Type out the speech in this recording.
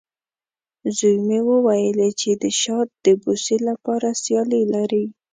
زوی مې وویلې، چې د شات د بوسې لپاره سیالي لري.